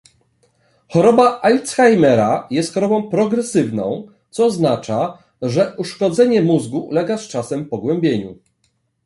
Choroba Alzheimera jest chorobą progresywną, co oznacza, że uszkodzenie mózgu ulega z czasem pogłębieniu